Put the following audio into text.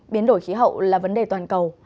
biến đổi khí hậu là vấn đề toàn cầu